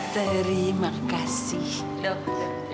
terima kasih dokter